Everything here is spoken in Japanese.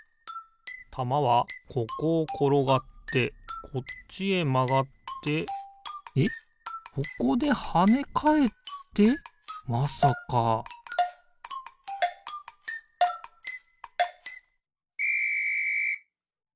たまはここをころがってこっちへまがってえっここではねかえってまさかピッ！